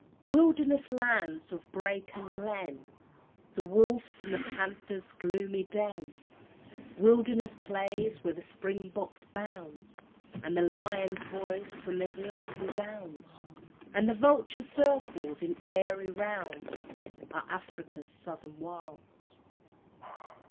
Wilderness lands of brake and glen, The wolf's and the panther's gloomy den; Wilderness plains where the springbok bounds, And the lion's voice from the hill resounds, And the vulture circles in airy rounds, Are Afric's Southern Wilds.